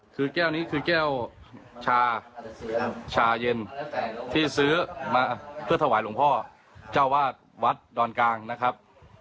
คือแก้วนี้คือแก้วชาเย็นที่ซื้อมาเพื่อถวายหลวงพ่อเจ้าวาดวัดดอนกลางนะครับ